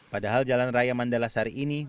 padahal jalan raya mandala sari ini